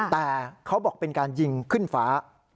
แต่เขาบอกเป็นการยิงขึ้นฟ้า